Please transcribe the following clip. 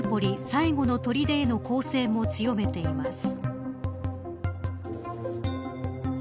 最後のとりでの攻勢も強めています。